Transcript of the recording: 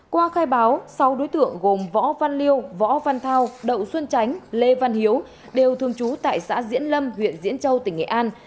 qua khai báo sáu đối tượng gồm võ văn liêu võ văn thao đậu xuân tránh lê văn hiếu đều thường trú tại xã diễn lâm huyện diễn châu tỉnh nghệ an